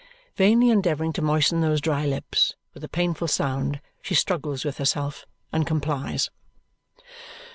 Vainly endeavouring to moisten those dry lips, with a painful sound she struggles with herself and complies.